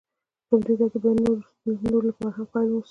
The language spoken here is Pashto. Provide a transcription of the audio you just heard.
په همدې ترتیب باید د نورو لپاره هم قایل واوسم.